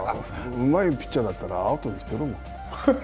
うまいピッチャーだったらアウトにしてるもん。